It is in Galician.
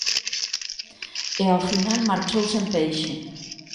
E ao final marchou sen peixe.